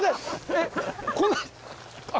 えっ？